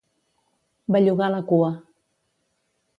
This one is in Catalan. Bellugar la cua.